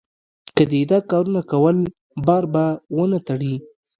که دې دا کارونه کول؛ بار به و نه تړې.